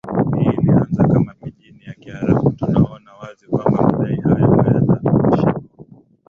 hii ilianza kama pijini ya Kiarabu tunaona wazi kwamba madai haya hayana mashiko